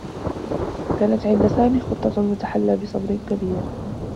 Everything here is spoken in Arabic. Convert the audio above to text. كانت عند سامي خطّة و تحلّى بصبر كبير.